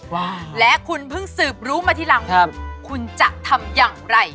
ว่าและคุณเพิ่งสืบรู้มาทีหลังว่าคุณจะทำอย่างไร